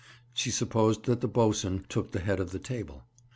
She supposed that the boatswain took the head of the table.